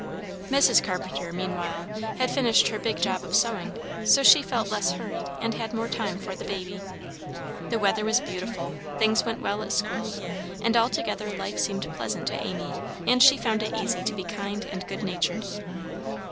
Mrs. Carpenter, meanwhile, had finished her big job of sewing, so she felt less hurried, and had more time for the baby. The weather was beautiful, things went well at school, and altogether life seemed pleasant to Amy, and she found it easy to be kind and good natured.